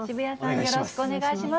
よろしくお願いします。